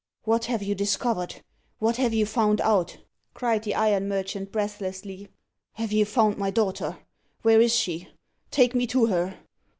"What have you discovered what have you found out?" cried the iron merchant breathlessly. "Have you found my daughter? Where is she? Take me to her."